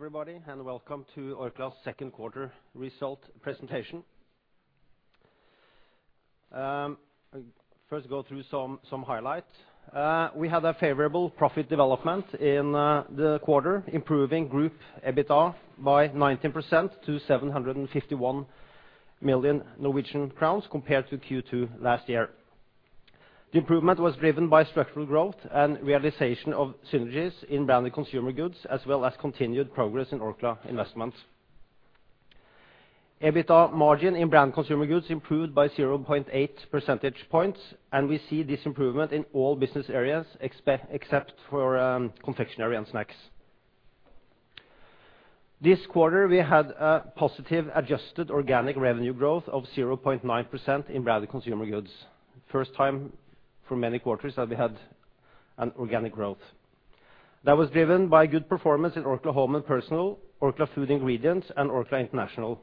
Good evening, everybody, and welcome to Orkla's second quarter result presentation. First, go through some highlights. We had a favorable profit development in the quarter, improving group EBITDA by 19% to 751 million Norwegian crowns compared to Q2 last year. The improvement was driven by structural growth and realization of synergies in Branded Consumer Goods, as well as continued progress in Orkla Investments. EBITDA margin in Branded Consumer Goods improved by 0.8 percentage points. We see this improvement in all business areas except for Confectionery & Snacks. This quarter, we had a positive adjusted organic revenue growth of 0.9% in Branded Consumer Goods. First time for many quarters that we had an organic growth. That was driven by good performance in Orkla Home & Personal, Orkla Food Ingredients, and Orkla International.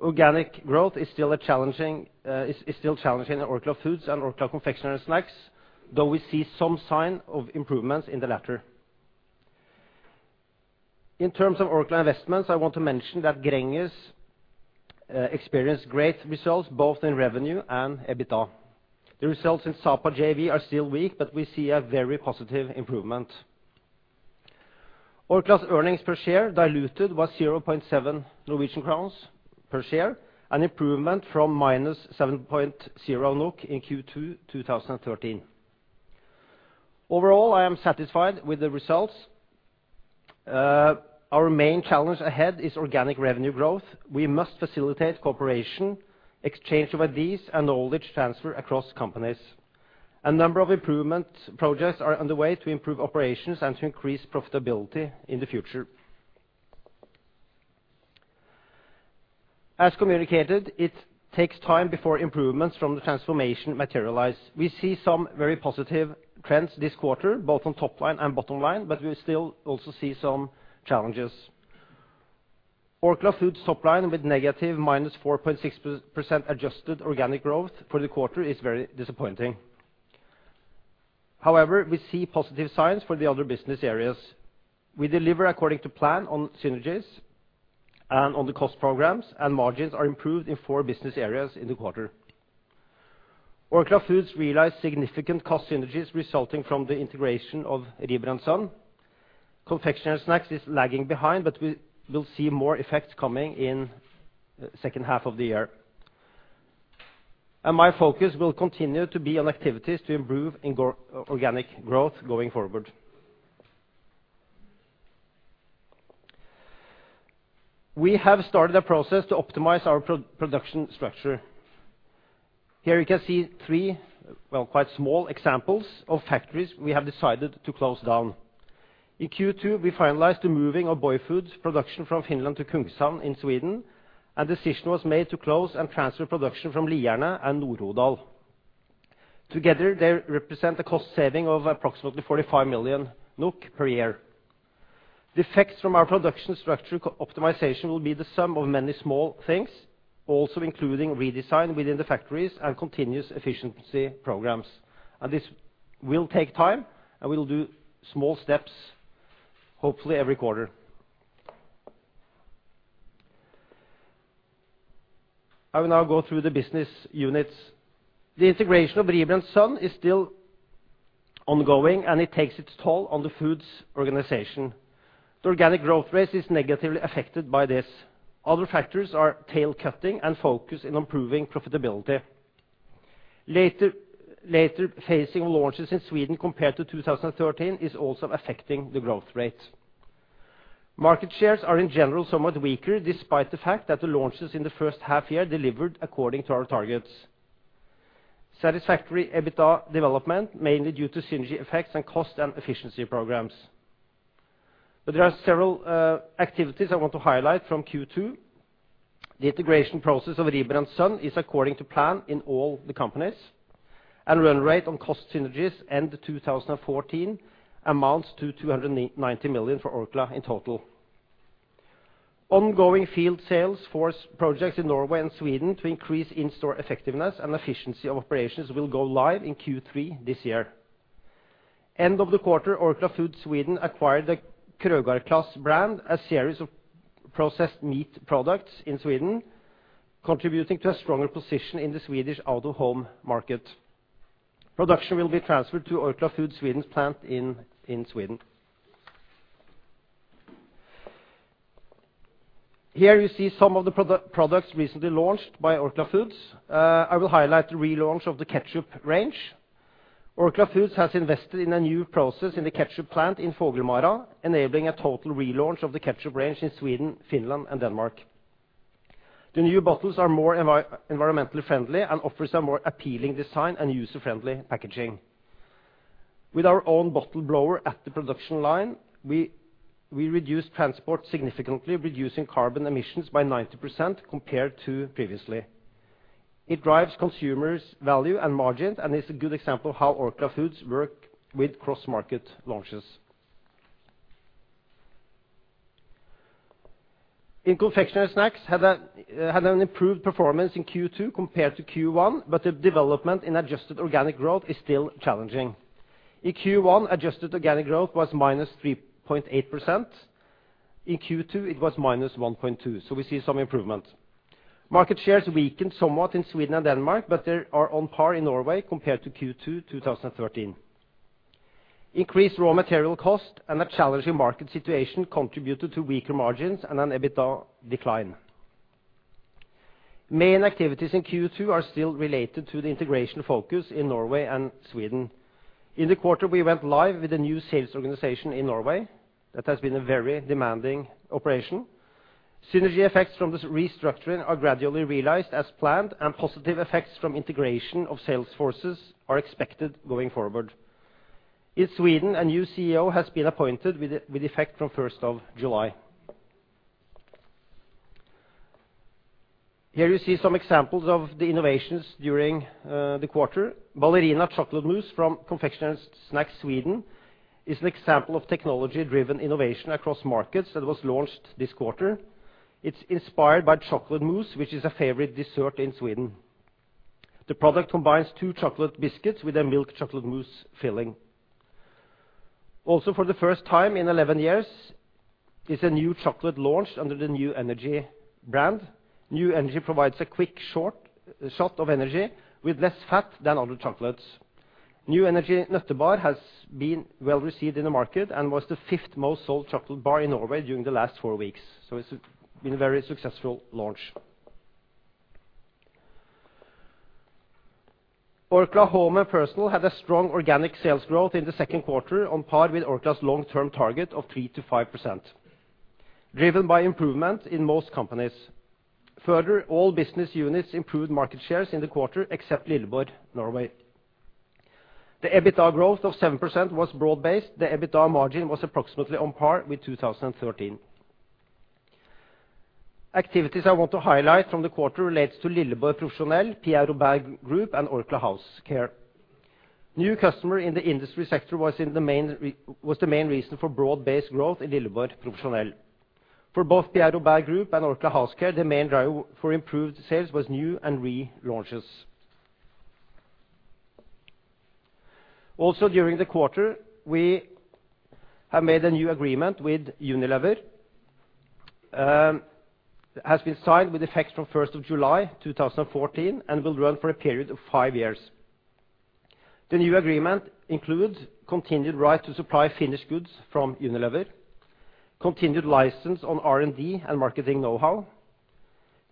Organic growth is still challenging in Orkla Foods and Orkla Confectionery & Snacks, though we see some sign of improvements in the latter. In terms of Orkla Investments, I want to mention that Gränges experienced great results both in revenue and EBITDA. The results in Sapa JV are still weak. We see a very positive improvement. Orkla's earnings per share diluted was 0.7 Norwegian crowns per share, an improvement from -7.0 NOK in Q2 2013. Overall, I am satisfied with the results. Our main challenge ahead is organic revenue growth. We must facilitate cooperation, exchange of ideas, and knowledge transfer across companies. A number of improvement projects are underway to improve operations and to increase profitability in the future. As communicated, it takes time before improvements from the transformation materialize. We see some very positive trends this quarter, both on top line and bottom line. We still also see some challenges. Orkla Foods top line with negative -4.6% adjusted organic growth for the quarter is very disappointing. However, we see positive signs for the other business areas. We deliver according to plan on synergies and on the cost programs. Margins are improved in four business areas in the quarter. Orkla Foods realized significant cost synergies resulting from the integration of Rieber & Søn. Confectionery & Snacks is lagging behind. We will see more effects coming in the second half of the year. My focus will continue to be on activities to improve organic growth going forward. We have started a process to optimize our production structure. Here you can see three quite small examples of factories we have decided to close down. In Q2, we finalized the moving of Baby Foods production from Finland to Kungshamn in Sweden. Decision was made to close and transfer production from Lierne and Nord-Odal. Together, they represent a cost saving of approximately 45 million NOK per year. The effects from our production structure optimization will be the sum of many small things, also including redesign within the factories and continuous efficiency programs. This will take time. We will do small steps, hopefully every quarter. I will now go through the business units. The integration of Rieber & Søn is still ongoing. It takes its toll on the foods organization. The organic growth rate is negatively affected by this. Other factors are tail cutting and focus in improving profitability. Later phasing of launches in Sweden compared to 2013 is also affecting the growth rate. Market shares are in general somewhat weaker, despite the fact that the launches in the first half year delivered according to our targets. Satisfactory EBITDA development, mainly due to synergy effects and cost and efficiency programs. There are several activities I want to highlight from Q2. The integration process of Rieber & Søn is according to plan in all the companies, and run rate on cost synergies end 2014 amounts to 290 million for Orkla in total. Ongoing field sales force projects in Norway and Sweden to increase in-store effectiveness and efficiency of operations will go live in Q3 this year. End of the quarter, Orkla Foods Sweden acquired the Krögarklass brand, a series of processed meat products in Sweden, contributing to a stronger position in the Swedish out-of-home market. Production will be transferred to Orkla Foods Sweden's plant in Sweden. Here you see some of the products recently launched by Orkla Foods. I will highlight the relaunch of the ketchup range. Orkla Foods has invested in a new process in the ketchup plant in Fågelmara, enabling a total relaunch of the ketchup range in Sweden, Finland, and Denmark. The new bottles are more environmentally friendly and offers a more appealing design and user-friendly packaging. With our own bottle blower at the production line, we reduce transport significantly, reducing carbon emissions by 90% compared to previously. It drives consumers value and margins and is a good example how Orkla Foods work with cross-market launches. Orkla Confectionery & Snacks had an improved performance in Q2 compared to Q1, the development in adjusted organic growth is still challenging. In Q1, adjusted organic growth was -3.8%. In Q2, it was -1.2%. We see some improvement. Market shares weakened somewhat in Sweden and Denmark, they are on par in Norway compared to Q2 2013. Increased raw material cost and a challenging market situation contributed to weaker margins and an EBITDA decline. Main activities in Q2 are still related to the integration focus in Norway and Sweden. In the quarter, we went live with a new sales organization in Norway. That has been a very demanding operation. Synergy effects from this restructuring are gradually realized as planned, and positive effects from integration of sales forces are expected going forward. In Sweden, a new CEO has been appointed with effect from 1st of July. Here you see some examples of the innovations during the quarter. Ballerina Chocolate Mousse from Orkla Confectionery & Snacks Sverige is an example of technology-driven innovation across markets that was launched this quarter. It's inspired by chocolate mousse, which is a favorite dessert in Sweden. The product combines two chocolate biscuits with a milk chocolate mousse filling. For the first time in 11 years, it's a new chocolate launched under the New Energy brand. New Energy provides a quick shot of energy with less fat than other chocolates. New Energy Nøttebar has been well-received in the market and was the fifth most sold chocolate bar in Norway during the last four weeks. It's been a very successful launch. Orkla Home & Personal had a strong organic sales growth in the second quarter, on par with Orkla's long-term target of 3%-5%, driven by improvement in most companies. All business units improved market shares in the quarter, except Lilleborg Norway. The EBITDA growth of 7% was broad-based. The EBITDA margin was approximately on par with 2013. Activities I want to highlight from the quarter relates to Lilleborg Profesjonell, Pierre Robert Group, and Orkla House Care. New customer in the industry sector was the main reason for broad-based growth in Lilleborg Profesjonell. For both Pierre Robert Group and Orkla House Care, the main driver for improved sales was new and relaunches. Also, during the quarter, we have made a new agreement with Unilever. It has been signed with effect from 1st of July 2014 and will run for a period of five years. The new agreement includes continued right to supply finished goods from Unilever, continued license on R&D and marketing knowhow,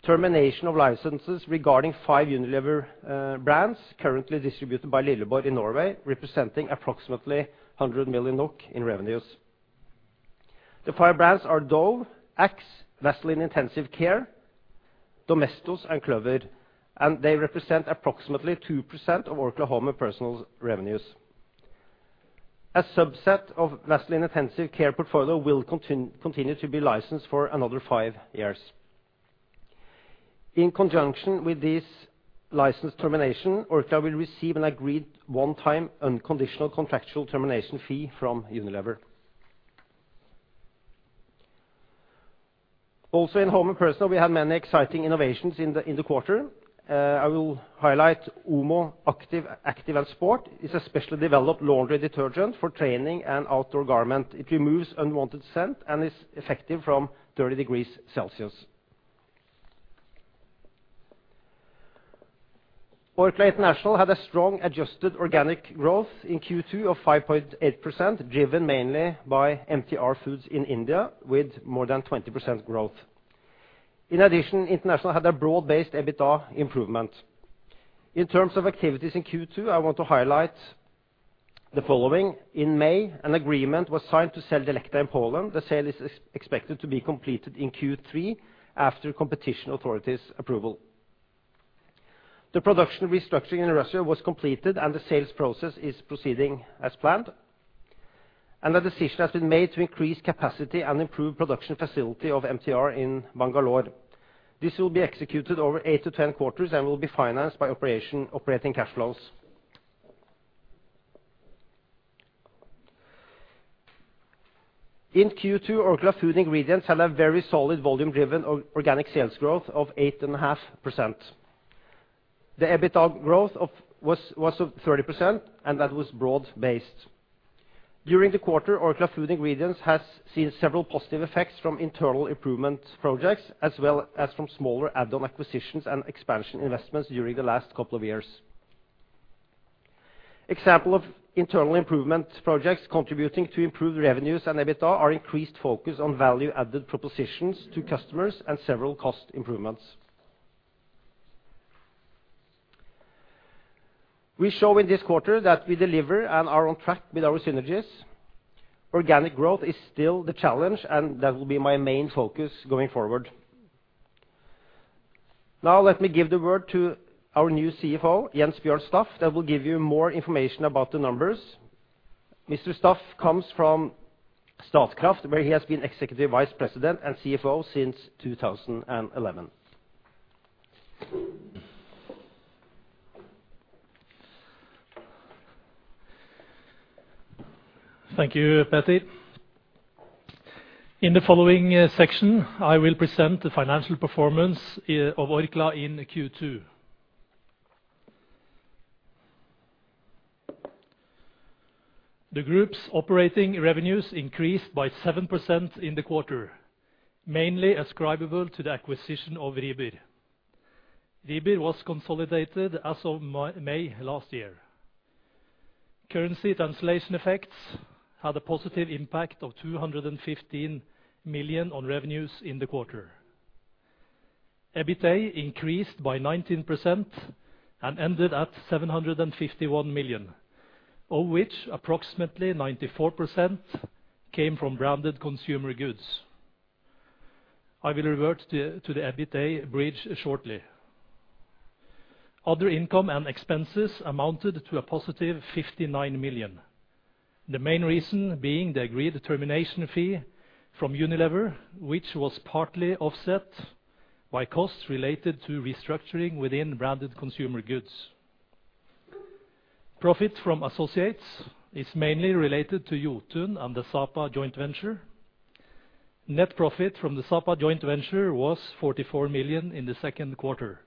termination of licenses regarding five Unilever brands currently distributed by Lilleborg in Norway, representing approximately 100 million NOK in revenues. The five brands are Dove, Axe, Vaseline Intensive Care, Domestos, and Clover, and they represent approximately 2% of Orkla Home & Personal's revenues. A subset of Vaseline Intensive Care portfolio will continue to be licensed for another five years. In conjunction with this license termination, Orkla will receive an agreed one-time unconditional contractual termination fee from Unilever. Also, in Home & Personal, we have many exciting innovations in the quarter. I will highlight Omo Active & Sport. It's a specially developed laundry detergent for training and outdoor garment. It removes unwanted scent and is effective from 30 degrees Celsius. Orkla International had a strong adjusted organic growth in Q2 of 5.8%, driven mainly by MTR Foods in India with more than 20% growth. In addition, International had a broad-based EBITDA improvement. In terms of activities in Q2, I want to highlight the following. In May, an agreement was signed to sell Delecta in Poland. The sale is expected to be completed in Q3 after competition authorities' approval. The production restructuring in Russia was completed, and the sales process is proceeding as planned. The decision has been made to increase capacity and improve production facility of MTR in Bangalore. This will be executed over eight to 10 quarters and will be financed by operating cash flows. In Q2, Orkla Food Ingredients had a very solid volume-driven organic sales growth of 8.5%. The EBITDA growth was of 30%, and that was broad based. During the quarter, Orkla Food Ingredients has seen several positive effects from internal improvement projects, as well as from smaller add-on acquisitions and expansion investments during the last couple of years. Example of internal improvement projects contributing to improved revenues and EBITDA are increased focus on value-added propositions to customers and several cost improvements. We show in this quarter that we deliver and are on track with our synergies. Organic growth is still the challenge, and that will be my main focus going forward. Now let me give the word to our new CFO, Jens Bjørn Staff, that will give you more information about the numbers. Mr. Staff comes from Statkraft, where he has been Executive Vice President and CFO since 2011. Thank you, Petter. In the following section, I will present the financial performance of Orkla in Q2. The group's operating revenues increased by 7% in the quarter, mainly ascribable to the acquisition of Rieber. Rieber was consolidated as of May last year. Currency translation effects had a positive impact of 215 million on revenues in the quarter. EBITA increased by 19% and ended at 751 million, of which approximately 94% came from Branded Consumer Goods. I will revert to the EBITA bridge shortly. Other income and expenses amounted to a positive 59 million. The main reason being the agreed termination fee from Unilever, which was partly offset by costs related to restructuring within Branded Consumer Goods. Profit from associates is mainly related to Jotun and the Sapa joint venture. Net profit from the Sapa joint venture was 44 million in the second quarter.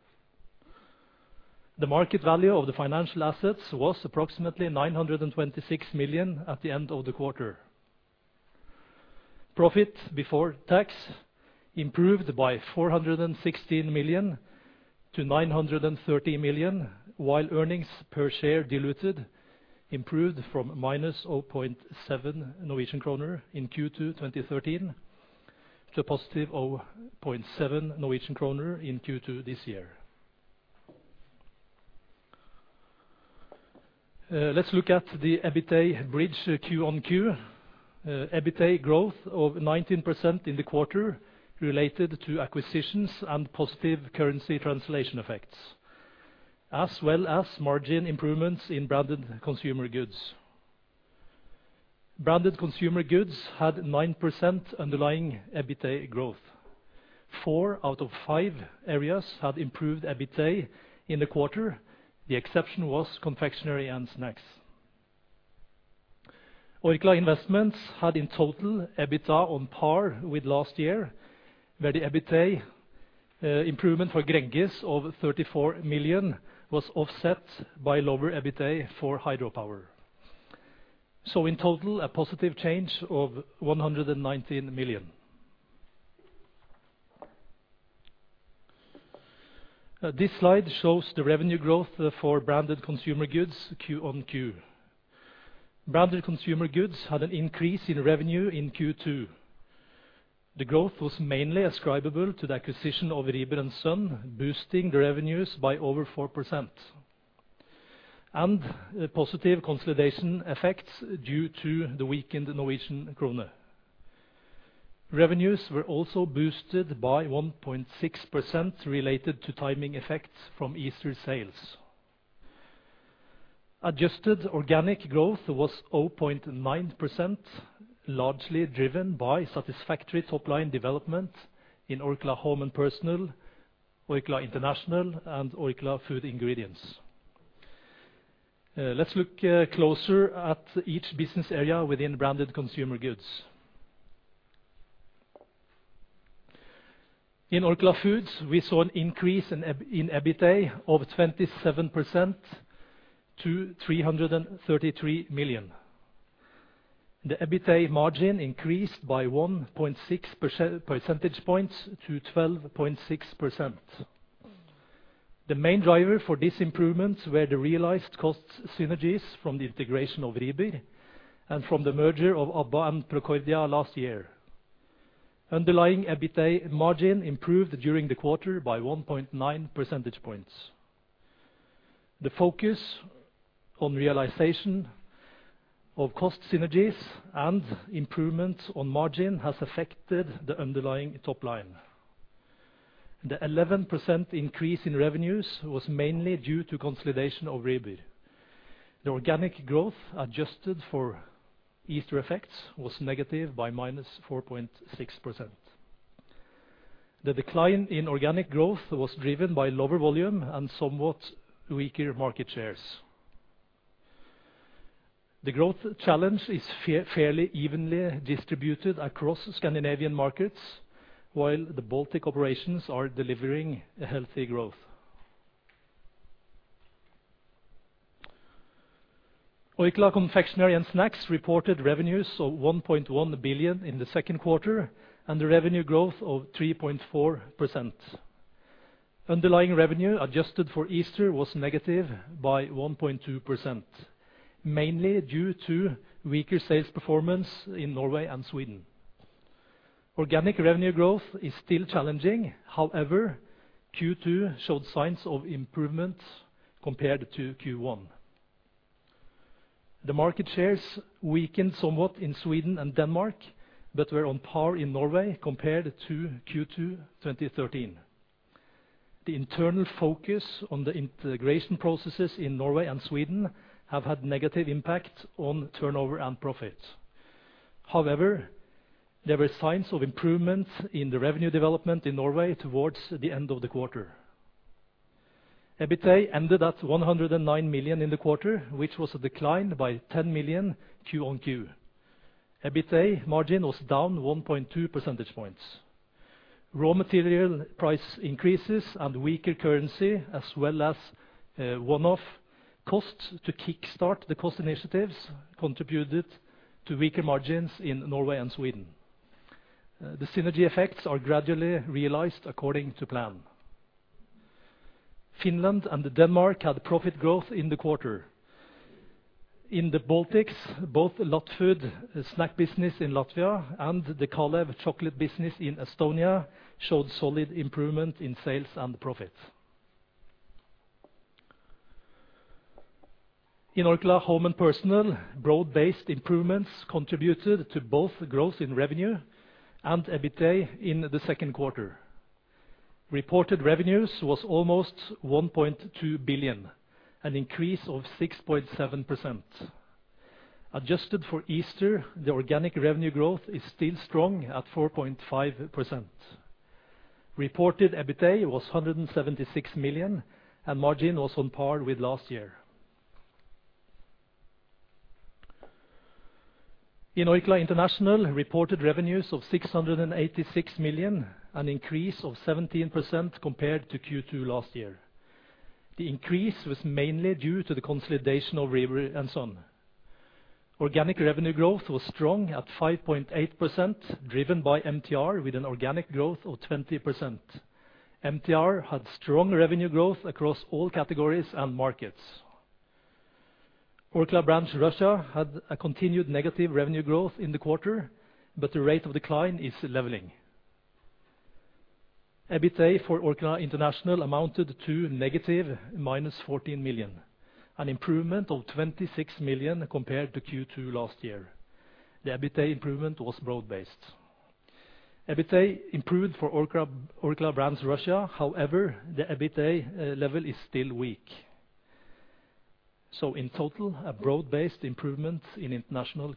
The market value of the financial assets was approximately 926 million at the end of the quarter. Profit before tax improved by 416 million to 930 million, while earnings per share diluted improved from -0.7 Norwegian kroner in Q2 2013 to a positive 0.7 Norwegian kroner in Q2 this year. Let's look at the EBITA bridge Q-on-Q. EBITA growth of 19% in the quarter related to acquisitions and positive currency translation effects, as well as margin improvements in Branded Consumer Goods. Branded Consumer Goods had 9% underlying EBITA growth. Four out of five areas had improved EBITA in the quarter. The exception was Confectionery & Snacks. Orkla Investments had in total EBITA on par with last year, where the EBITA improvement for Gränges of 34 million was offset by lower EBITA for hydropower. So in total, a positive change of 119 million. This slide shows the revenue growth for Branded Consumer Goods Q-on-Q. Branded Consumer Goods had an increase in revenue in Q2. The growth was mainly ascribable to the acquisition of Rieber & Søn, boosting the revenues by over 4%, and positive consolidation effects due to the weakened Norwegian kroner. Revenues were also boosted by 1.6% related to timing effects from Easter sales. Adjusted organic growth was 0.9%, largely driven by satisfactory top-line development in Orkla Home & Personal, Orkla International, and Orkla Food Ingredients. Let's look closer at each business area within Branded Consumer Goods. In Orkla Foods, we saw an increase in EBITA of 27% to 333 million. The EBITA margin increased by 1.6 percentage points to 12.6%. The main driver for this improvement were the realized cost synergies from the integration of Rieber and from the merger of Abba and Procordia last year. Underlying EBITA margin improved during the quarter by 1.9 percentage points. The focus on realization of cost synergies and improvements on margin has affected the underlying top line. The 11% increase in revenues was mainly due to consolidation of Rieber. The organic growth adjusted for Easter effects was negative by -4.6%. The decline in organic growth was driven by lower volume and somewhat weaker market shares. The growth challenge is fairly evenly distributed across Scandinavian markets, while the Baltic operations are delivering a healthy growth. Orkla Confectionery & Snacks reported revenues of 1.1 billion in the second quarter and the revenue growth of 3.4%. Underlying revenue adjusted for Easter was negative by 1.2%, mainly due to weaker sales performance in Norway and Sweden. Organic revenue growth is still challenging. However, Q2 showed signs of improvement compared to Q1. The market shares weakened somewhat in Sweden and Denmark, but were on par in Norway compared to Q2 2013. The internal focus on the integration processes in Norway and Sweden have had negative impact on turnover and profits. However, there were signs of improvement in the revenue development in Norway towards the end of the quarter. EBITA ended at 109 million in the quarter, which was a decline by 10 million quarter-on-quarter. EBITA margin was down 1.2 percentage points. Raw material price increases and weaker currency, as well as one-off costs to kick start the cost initiatives, contributed to weaker margins in Norway and Sweden. The synergy effects are gradually realized according to plan. Finland and Denmark had profit growth in the quarter. In the Baltics, both Latfood snack business in Latvia and the Kalev chocolate business in Estonia showed solid improvement in sales and profits. In Orkla Home & Personal, broad-based improvements contributed to both growth in revenue and EBITA in the second quarter. Reported revenues was almost 1.2 billion, an increase of 6.7%. Adjusted for Easter, the organic revenue growth is still strong at 4.5%. Reported EBITA was 176 million, and margin was on par with last year. In Orkla International, reported revenues of 686 million, an increase of 17% compared to Q2 last year. The increase was mainly due to the consolidation of Rieber & Søn. Organic revenue growth was strong at 5.8%, driven by MTR with an organic growth of 20%. MTR had strong revenue growth across all categories and markets. Orkla Brands Russia had a continued negative revenue growth in the quarter, but the rate of decline is leveling. EBITA for Orkla International amounted to negative minus 14 million, an improvement of 26 million compared to Q2 last year. The EBITA improvement was broad-based. EBITA improved for Orkla Brands Russia, however, the EBITA level is still weak. In total, a broad-based improvement in international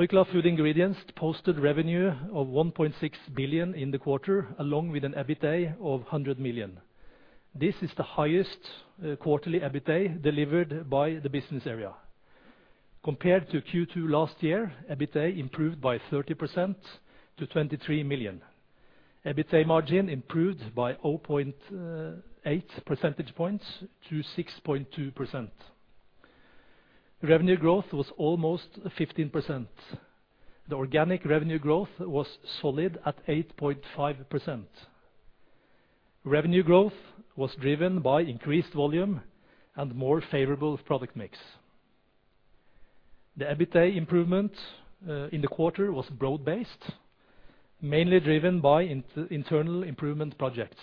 quarter-on-quarter. Orkla Food Ingredients posted revenue of 1.6 billion in the quarter, along with an EBITA of 100 million. This is the highest quarterly EBITA delivered by the business area. Compared to Q2 last year, EBITA improved by 30% to 23 million. EBITA margin improved by 0.8 percentage points to 6.2%. Revenue growth was almost 15%. The organic revenue growth was solid at 8.5%. Revenue growth was driven by increased volume and more favorable product mix. The EBITA improvement in the quarter was broad-based, mainly driven by internal improvement projects.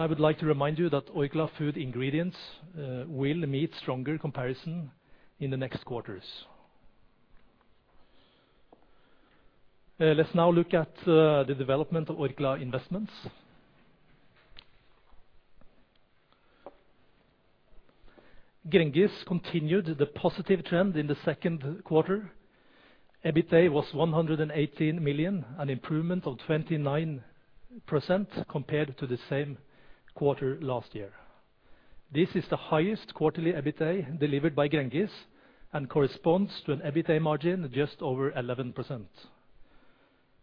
I would like to remind you that Orkla Food Ingredients will meet stronger comparison in the next quarters. Let's now look at the development of Orkla Investments. Gränges continued the positive trend in the second quarter. EBITA was 118 million, an improvement of 29% compared to the same quarter last year. This is the highest quarterly EBITA delivered by Gränges and corresponds to an EBITA margin just over 11%.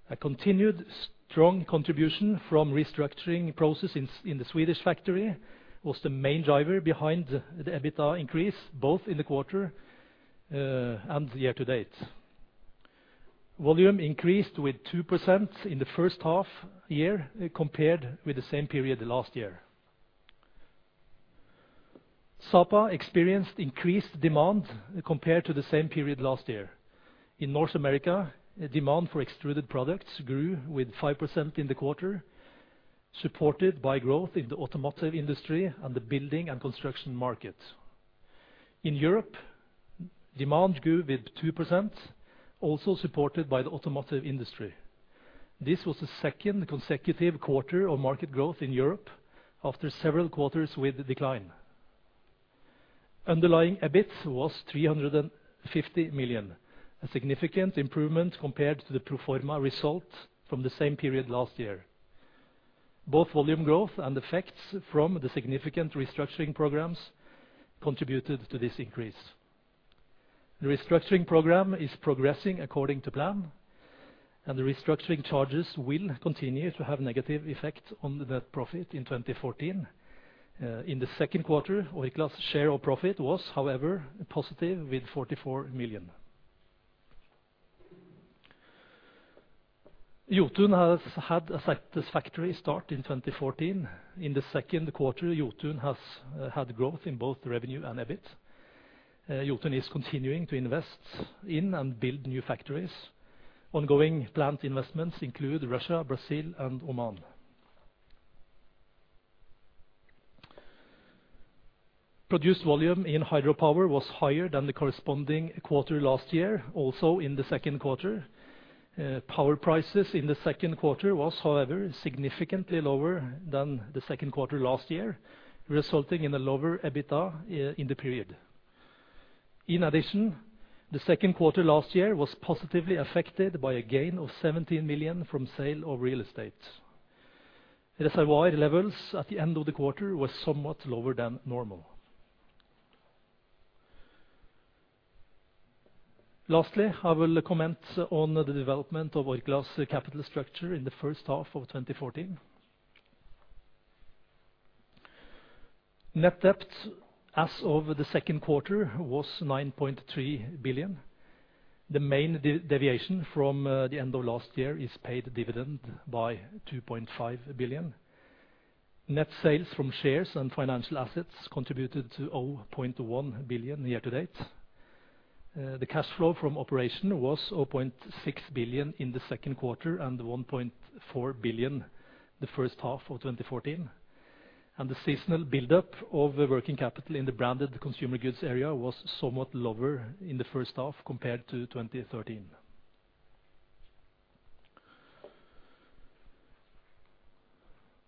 A continued strong contribution from restructuring process in the Swedish factory was the main driver behind the EBITDA increase, both in the quarter and year to date. Volume increased with 2% in the first half year compared with the same period last year. Sapa experienced increased demand compared to the same period last year. In North America, demand for extruded products grew with 5% in the quarter, supported by growth in the automotive industry and the building and construction market. In Europe, demand grew with 2%, also supported by the automotive industry. This was the second consecutive quarter of market growth in Europe after several quarters with decline. Underlying EBIT was 350 million, a significant improvement compared to the pro forma result from the same period last year. Both volume growth and effects from the significant restructuring programs contributed to this increase. The restructuring program is progressing according to plan, and the restructuring charges will continue to have negative effect on the net profit in 2014. In the second quarter, Orkla's share of profit was, however, positive with 44 million. Jotun has had a satisfactory start in 2014. In the second quarter, Jotun has had growth in both revenue and EBIT. Jotun is continuing to invest in and build new factories. Ongoing plant investments include Russia, Brazil, and Oman. Produced volume in hydropower was higher than the corresponding quarter last year, also in the second quarter. Power prices in the second quarter were, however, significantly lower than the second quarter last year, resulting in a lower EBITDA in the period. In addition, the second quarter last year was positively affected by a gain of 17 million from sale of real estate. Reservoir levels at the end of the quarter were somewhat lower than normal. Lastly, I will comment on the development of Orkla's capital structure in the first half of 2014. Net debt as of the second quarter was 9.3 billion. The main deviation from the end of last year is paid dividend by 2.5 billion. Net sales from shares and financial assets contributed to 0.1 billion year to date. The cash flow from operation was 0.6 billion in the second quarter, 1.4 billion the first half of 2014. The seasonal buildup of working capital in the Branded Consumer Goods area was somewhat lower in the first half compared to 2013.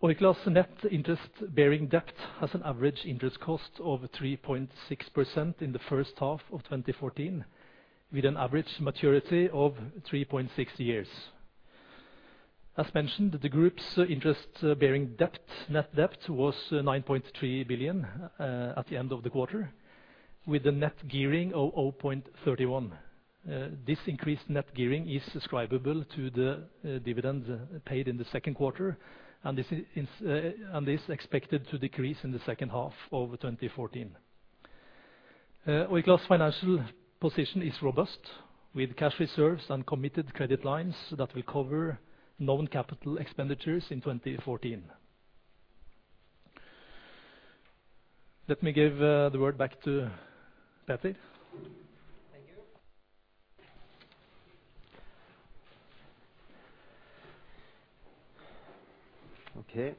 Orkla's net interest-bearing debt has an average interest cost of 3.6% in the first half of 2014, with an average maturity of 3.6 years. As mentioned, the group's interest-bearing debt, net debt was 9.3 billion at the end of the quarter, with the net gearing of 0.31. This increased net gearing is ascribable to the dividends paid in the second quarter. This is expected to decrease in the second half of 2014. Orkla's financial position is robust, with cash reserves and committed credit lines that will cover known capital expenditures in 2014. Let me give the word back to Peter. Thank you.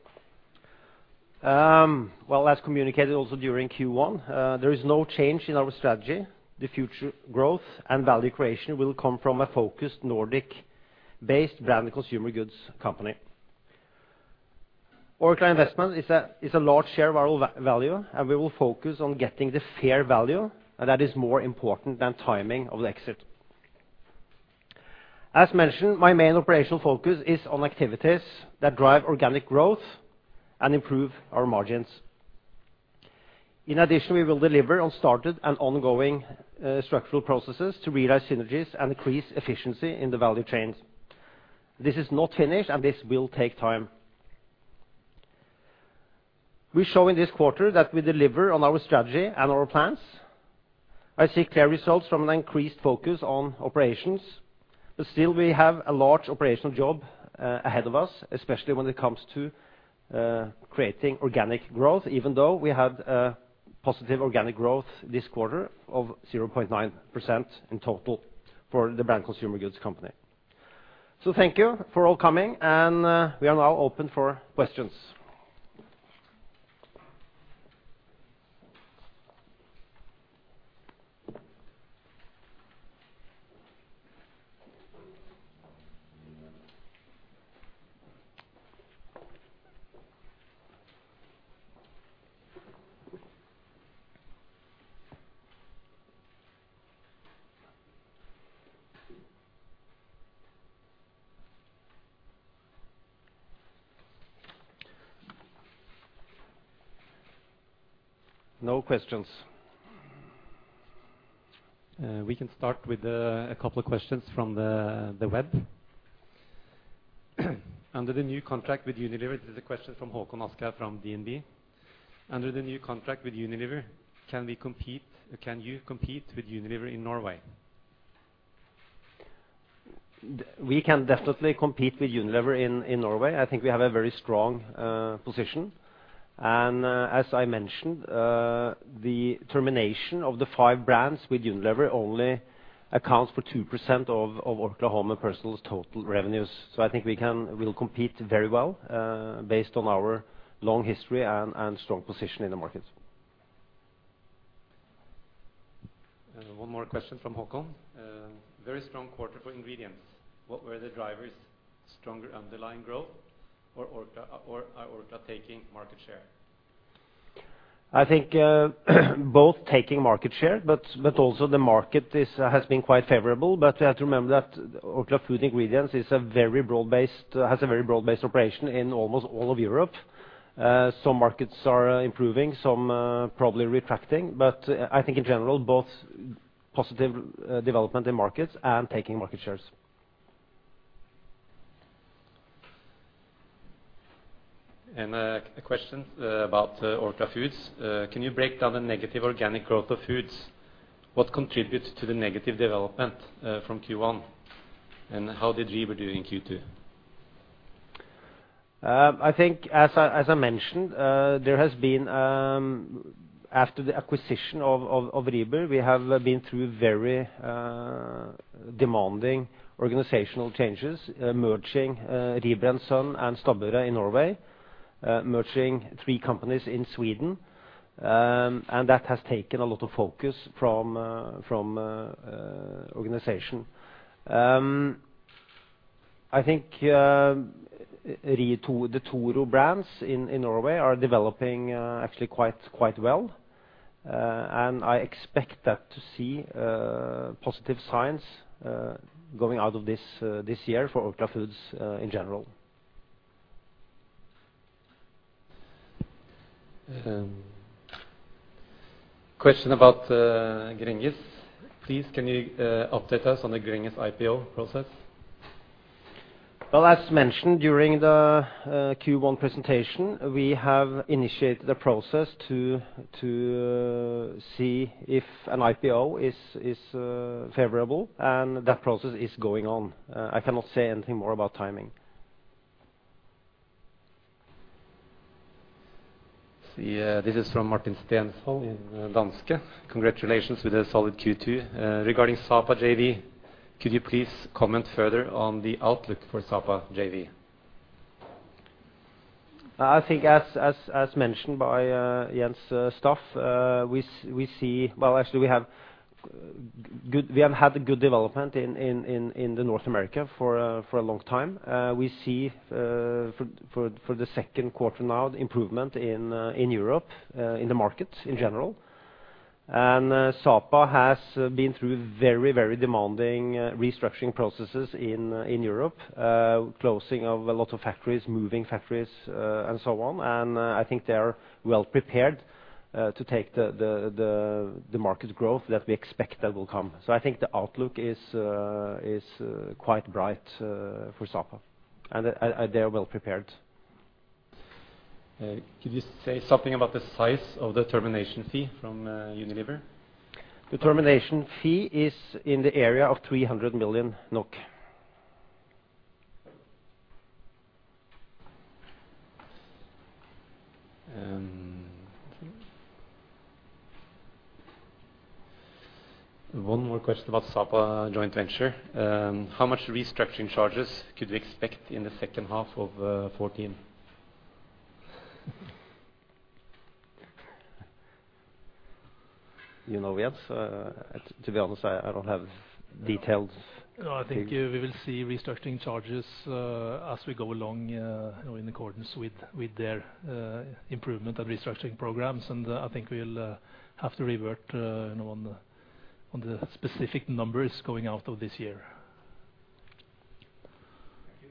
Well, as communicated also during Q1, there is no change in our strategy. The future growth and value creation will come from a focused Nordic-based Branded Consumer Goods company. Orkla Investments is a large share of our value. We will focus on getting the fair value. That is more important than timing of the exit. As mentioned, my main operational focus is on activities that drive organic growth and improve our margins. In addition, we will deliver on started and ongoing structural processes to realize synergies and increase efficiency in the value chains. This is not finished. This will take time. We show in this quarter that we deliver on our strategy and our plans. I see clear results from an increased focus on operations, but still we have a large operational job ahead of us, especially when it comes to creating organic growth, even though we had a positive organic growth this quarter of 0.9% in total for the Branded Consumer Goods company. Thank you for all coming, and we are now open for questions. No questions. We can start with a couple of questions from the web. This is a question from Håkon Askja from DNB. Under the new contract with Unilever, can you compete with Unilever in Norway? We can definitely compete with Unilever in Norway. I think we have a very strong position. As I mentioned, the termination of the five brands with Unilever only accounts for 2% of Orkla Home & Personal's total revenues. I think we'll compete very well, based on our long history and strong position in the market. One more question from Håkon. Very strong quarter for Ingredients. What were the drivers? Stronger underlying growth or are Orkla taking market share? I think both taking market share, the market has been quite favorable. You have to remember that Orkla Food Ingredients has a very broad-based operation in almost all of Europe. Some markets are improving, some probably retracting. I think in general, both positive development in markets and taking market shares. A question about Orkla Foods. Can you break down the negative organic growth of Foods? What contributes to the negative development from Q1, and how did Rieber do in Q2? I think, as I mentioned, after the acquisition of Rieber, we have been through very demanding organizational changes, merging Rieber & Søn and Stabburet in Norway, merging three companies in Sweden, and that has taken a lot of focus from organization. I think the Toro brands in Norway are developing actually quite well, and I expect that to see positive signs going out of this year for Orkla Foods in general. Question about Gränges. Please, can you update us on the Gränges IPO process? Well, as mentioned during the Q1 presentation, we have initiated a process to see if an IPO is favorable and that process is going on. I cannot say anything more about timing. Let's see. This is from Martin Stenshall in Danske. Congratulations with a solid Q2. Regarding Sapa JV, could you please comment further on the outlook for Sapa JV? I think as mentioned by Jens Staff, we have had good development in North America for a long time. We see for the second quarter now improvement in Europe, in the market in general. Sapa has been through very demanding restructuring processes in Europe. Closing of a lot of factories, moving factories, and so on. I think they are well prepared to take the market growth that we expect that will come. I think the outlook is quite bright for Sapa, and they are well prepared. Could you say something about the size of the termination fee from Unilever? The termination fee is in the area of 300 million NOK. One more question about Sapa joint venture. How much restructuring charges could we expect in the second half of 2014? You know, Jens, to be honest, I don't have details. No, I think we will see restructuring charges as we go along in accordance with their improvement and restructuring programs. I think we'll have to revert on the specific numbers going out of this year. Thank you.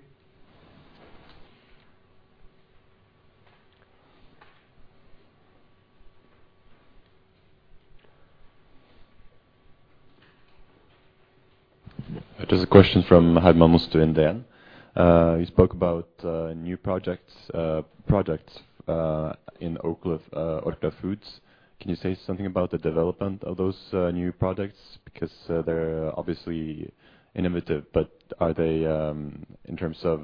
You spoke about new products in Orkla Foods. Can you say something about the development of those new products? Because they're obviously innovative, but are they, in terms of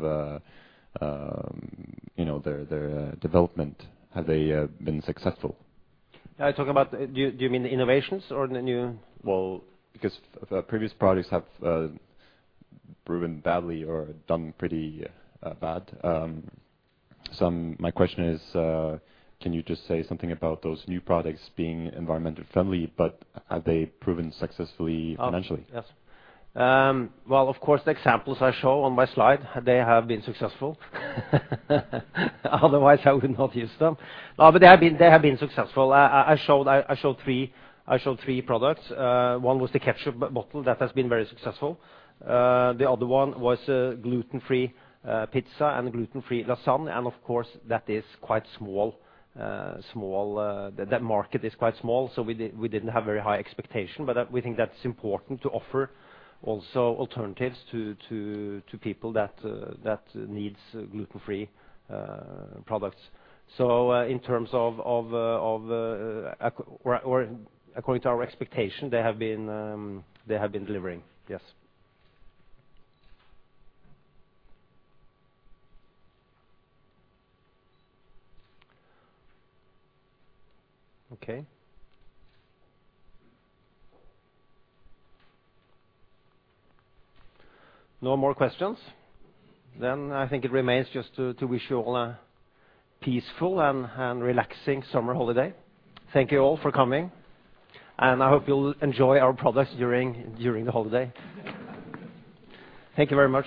their development, have they been successful? Do you mean the innovations? Well, because previous products have proven badly or done pretty bad. My question is, can you just say something about those new products being environmental friendly, but have they proven successfully financially? Yes. Well, of course, the examples I show on my slide, they have been successful. Otherwise, I would not use them. They have been successful. I showed three products. One was the ketchup bottle, that has been very successful. The other one was a gluten-free pizza and a gluten-free lasagna, and of course, that market is quite small, so we didn't have very high expectation. We think that's important to offer also alternatives to people that needs gluten-free products. According to our expectation, they have been delivering, yes. Okay. No more questions? I think it remains just to wish you all a peaceful and relaxing summer holiday. Thank you all for coming. I hope you'll enjoy our products during the holiday. Thank you very much.